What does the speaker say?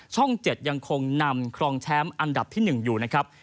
๗ยังคงนำครองแชมป์อันดับที่๑อยู่นะครับ